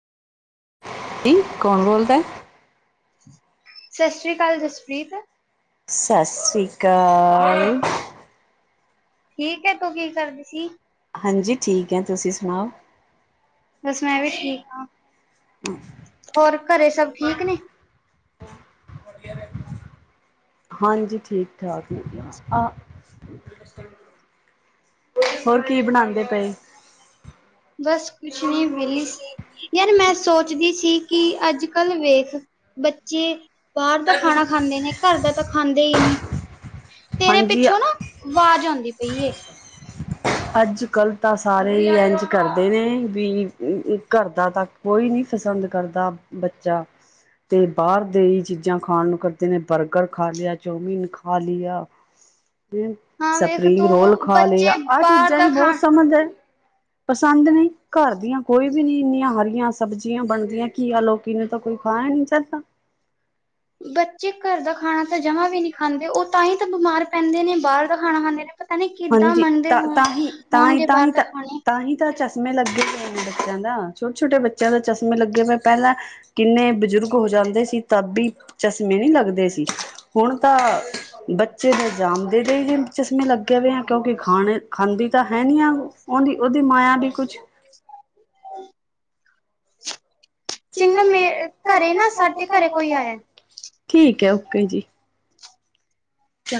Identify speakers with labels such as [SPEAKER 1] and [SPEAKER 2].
[SPEAKER 1] ਜੀ ਕੌਣ ਬੋਲਦਾ?
[SPEAKER 2] ਸਾਸਰੀ ਕਾਲ ਜਸਪ੍ਰੀਤ
[SPEAKER 1] ਸਾਸਰੀ ਕਾਲ
[SPEAKER 2] ਠੀਕ ਹੈ ਤੂੰ, ਕੀ ਕਰਦੀ ਸੀ?
[SPEAKER 1] ਹਾਂਜੀ ਠੀਕ ਹੈ, ਤੁਸੀਂ ਸੁਨਾਓ?
[SPEAKER 2] ਬਸ ਮੈਂ ਵੀ ਠੀਕ ਆ ਹੋਰ, ਘਰੇ ਸਭ ਠੀਕ ਨੇ?
[SPEAKER 1] ਹਾਂਜੀ ਠੀਕ ਠਾਕ ਨੇ ਆ ਹੋਰ ਕੀ ਬਣਾਦੇ ਪਏ?
[SPEAKER 2] ਬਸ ਕੁਛ ਨੀ, ਮਿਲੀ ਸੀ ਯਾਰ ਮੈਂ ਸੋਚਦੀ ਸੀ ਕਿ, ਅੱਜ ਕੱਲ੍ਹ ਵੇਖ ਬੱਚੇ ਬਾਹਰ ਦਾ ਖਾਣਾ ਖਾਂਦੇ ਨੇ ਘਰ ਦਾ ਤਾਂ ਖਾਂਦੇ ਈ ਨੀ ਤੇਰੇ
[SPEAKER 1] ਹਾਂਜੀ
[SPEAKER 2] ਪਿੱਛੋਂ ਨਾ ਵਾਜ਼ ਆਂਦੀ ਪਈ ਏ
[SPEAKER 1] ਅੱਜ-ਕੱਲ੍ਹ ਤਾਂ ਸਾਰੇ ਹੀ ਏੰਝ ਕਰਦੇ ਨੇ ਵੀ ਘਰਦਾ ਤਾ ਕੋਈ ਨੀ ਪਸਦ ਕਰਦਾ, ਬੱਚਾ ਤੇ ਬਾਹਰ ਦੇ ਈ ਚੀਜ਼ਾਂ ਖਾਣ ਨੂੰ ਕਰਦੇ ਨੇ ਬਰਗਰ ਖਾ ਲਿਆ ਚੌਮੀਨ ਖਾ ਲਿਆ।
[SPEAKER 2] ਹਾਂ ਵੇਖ
[SPEAKER 1] ਸਪਰੀਗ ਰੋਲ
[SPEAKER 2] ਤੂੰ
[SPEAKER 1] ਖਾ ਲਿਆ।
[SPEAKER 2] ਬੱਚੇ
[SPEAKER 1] ਆਹ
[SPEAKER 2] ਬਾਹਰ
[SPEAKER 1] ਚੀਜ਼ਾਂ
[SPEAKER 2] ਦਾ
[SPEAKER 1] ਈ ਬਹੁਤ
[SPEAKER 2] ਖਾਣ
[SPEAKER 1] ਸਮਝ ਹੈ ਪਸੰਦ ਨੀ ਘਰ ਦੀਆਂ ਕੋਈ ਵੀ ਨੀ ਇੰਨੀਆਂ ਹਰੀਆਂ ਸਬਜ਼ੀਆਂ ਬਣਦੀਆਂ ਕੀਆ ਲੋਕੀ ਨੂੰ ਤਾਂ ਕੋਈ ਖਾਨਾ ਨੀ ਚਾਹੀਦਾ
[SPEAKER 2] ਬੱਚੇ ਘਰ ਦਾ ਖਾਣਾ ਤਾਂ ਜਮਾ ਵੀ ਨੀ ਖਾਂਦੇ ਉਹ ਤਾਂ ਈ ਤਾਂ ਬਿਮਾਰ ਪੈਂਦੇ ਨੇ ਬਾਰ ਦਾ ਖਾਣਾ ਖਾਂਦੇ ਨੇ, ਪਤਾ ਨੀ ਕਿੱਦਾਂ
[SPEAKER 1] ਹਾਂਜੀ
[SPEAKER 2] ਮੰਨਦੇ
[SPEAKER 1] ਤਾਂ
[SPEAKER 2] ਹੋ ਹੋਣਗੇ ਬਾਹਰ
[SPEAKER 1] ਤਾਹੀ-ਤਾਂਹੀ-ਤਾਂਹੀ
[SPEAKER 2] ਦਾ
[SPEAKER 1] ਤਾਂ
[SPEAKER 2] ਖਾਣੇ
[SPEAKER 1] ਤਾਂ ਹੀ ਤਾਂ ਚਸ਼ਮੇ ਲੱਗੇ ਹੋਏ ਨੇ ਬੱਚਿਆਂ ਦਾ ਛੋਟੇ-ਛੋਟੇ ਬੱਚਿਆਂ ਦੇ ਚਸ਼ਮੇ ਲੱਗੇ ਪਏ। ਪਹਿਲਾਂ ਕਿੰਨੇ ਬਜ਼ੁਰਗ ਹੋ ਜਾਂਦੇ ਸੀ ਤਾਬੀ ਚਸ਼ਮੇ ਨਹੀਂ ਲੱਗਦੇ ਸੀ। ਹੁਣ ਤਾਂ, ਬੱਚੇ ਨੂੰ ਜਾਮਦੇ ਦੇ ਹੀ ਚਸ਼ਮੇ ਲੱਗ ਕਿਉਂਕਿ ਖਾਣੇ, ਖਾਂਦੀ ਤਾਂ ਹੈਨੀ ਆ ਉਹਦੀ, ਉਹਦੀ ਮਾਇਆ ਵੀ ਕੁਛ
[SPEAKER 2] [inaudible] ਚ ਮੇ ਘਰੇ ਨਾ ਸਾਡੇ ਘਰੇ ਕੋਈ ਆਇਆ
[SPEAKER 1] ਠੀਕ ਹੈ ਓਕੇ ਜੀ